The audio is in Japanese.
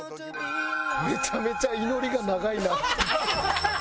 めちゃめちゃ祈りが長いな。